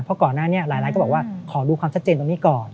เพราะก่อนหน้านี้หลายก็บอกว่าขอดูความชัดเจนตรงนี้ก่อน